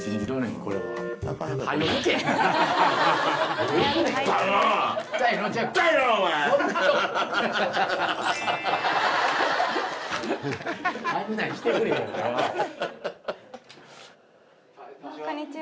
こんにちは。